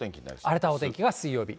荒れたお天気が水曜日。